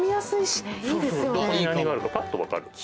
どこに何があるかぱっと分かる。